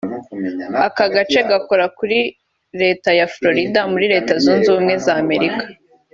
Aka gace gakora kuri leta ya Florida muri leta zunze ubumwe z’ Amerika